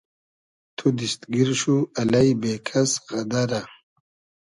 تو دیست گیر شو الݷ بې کئس غئدئرۂ